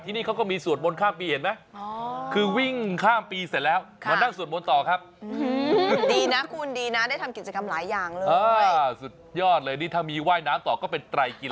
ที่ว่ายน้ำต่อก็เป็นไตรกีฬาข้ามปีเดี๋ยวปั่นจักรยานด้วยมั้ยคุณ